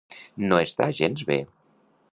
No està gens bé.